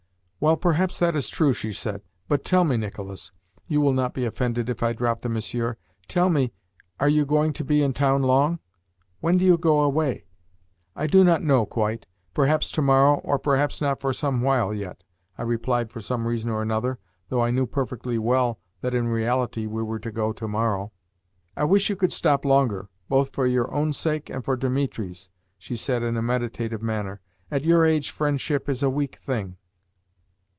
"Well, perhaps that is true," she said. "But tell me, Nicolas (you will not be offended if I drop the Monsieur) tell me, are you going to be in town long? When do you go away?" "I do not know quite. Perhaps to morrow, or perhaps not for some while yet," I replied for some reason or another, though I knew perfectly well that in reality we were to go to morrow. "I wish you could stop longer, both for your own sake and for Dimitri's," she said in a meditative manner. "At your age friendship is a weak thing."